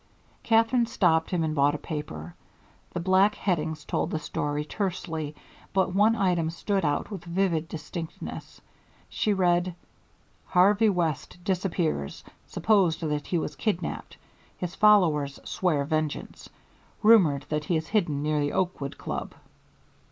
Katherine stopped him and bought a paper. The black headings told the story tersely, but one item stood out with vivid distinctness. She read, "Harvey West Disappears Supposed that He Was Kidnapped His Followers Swear Vengeance Rumored that He Is Hidden Near The Oakwood Club."